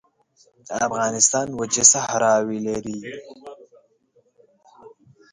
افغانستان وچې صحراوې لري